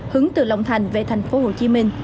hướng từ long thành về tp hcm